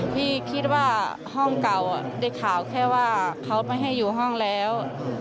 พี่คิดว่าห้องเก่าได้ข่าวแค่ว่าเขาไม่ให้อยู่ห้องแล้ว